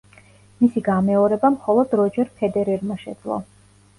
მისი გამეორება მხოლოდ როჯერ ფედერერმა შეძლო.